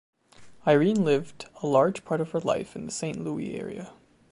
Irene lived a large part of her life in the Saint-Louis area.